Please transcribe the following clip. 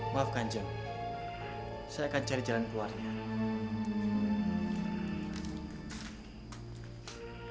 maaf ganjar saya akan cari jalan keluarnya